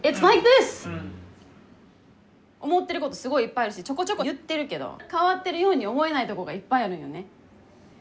思ってることすごいいっぱいあるしちょこちょこ言ってるけど変わってるように思えないとこがいっぱいあるよね。